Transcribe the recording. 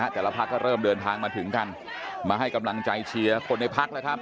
แต่ละพักก็เริ่มเดินทางมาถึงกันมาให้กำลังใจเชียร์คนในพักแล้วครับ